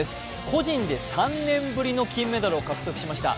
個人で３年ぶりの金メダルを獲得しました。